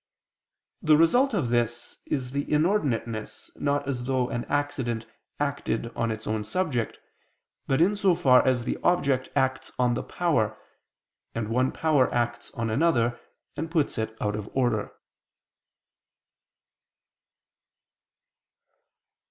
The result of this is the inordinateness, not as though an accident acted on its own subject, but in so far as the object acts on the power, and one power acts on another and puts it out of order.